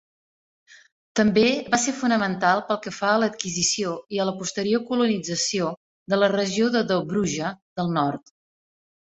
També va ser fonamental pel que fa a l'adquisició i a la posterior colonització de la regió de Dobruja del nord.